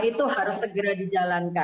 itu harus segera dijalankan